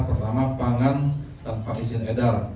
pertama pangan tanpa izin edar